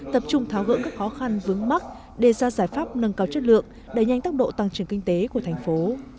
tập trung tháo gỡ các khó khăn vướng mắt đề ra giải pháp nâng cao chất lượng đẩy nhanh tốc độ tăng trưởng kinh tế của thành phố